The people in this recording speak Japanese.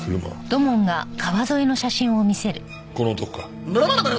この男か？